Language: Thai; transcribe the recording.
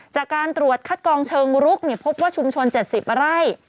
จากการตรวจคัดกองเชิงลุกพบว่าชุมชน๗๐ไร่